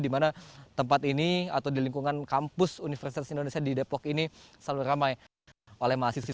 di mana tempat ini atau di lingkungan kampus universitas indonesia di depok ini selalu ramai oleh mahasiswi